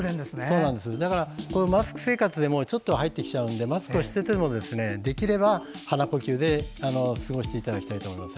だから、マスク生活でもちょっと入ってきちゃうのでマスクをしててもできれば鼻呼吸で過ごしていただきたいと思います。